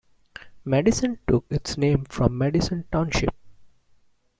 Madison took its name from Madison Township.